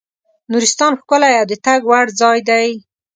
نورستان ښکلی او د تګ وړ ځای دی.